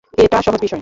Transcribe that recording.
এটা সহজ বিষয়।